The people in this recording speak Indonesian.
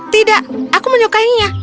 tidak aku menyukainya